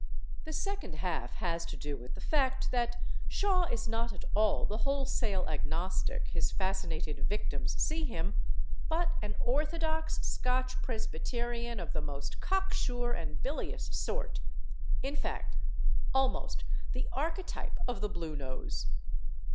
The second half has to do with the fact that Shaw is not at all the wholesale agnostic his fascinated victims see him, but an orthodox Scotch Presbyterian of the most cocksure and bilious sort—in fact, almost the archetype of the blue nose.